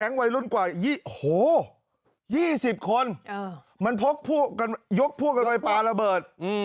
แก๊งวัยรุ่นกว่า๒๐คนมันพกพวกกันยกพวกกันไปปลาระเบิด